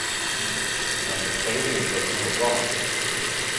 Men säg det inte åt någon.